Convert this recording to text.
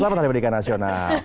selamat hari pendidikan nasional